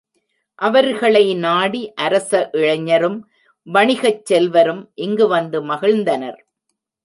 அவர்களை நாடி அரச இளைஞரும், வணிகச் செல்வரும் இங்கு வந்து மகிழ்ந்தனர்.